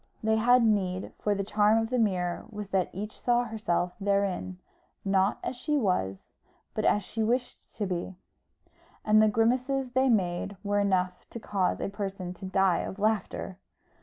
They had need, for the charm of the mirror was that each saw herself therein, not as she was, but as she wished to be; and the grimaces they made were enough to cause a person to die of laughter.